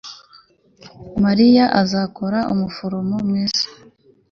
Mariya azakora umuforomo mwiza